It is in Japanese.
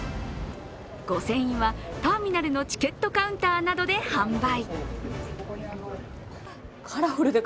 御船印は、ターミナルのチケットカウンターなどで販売。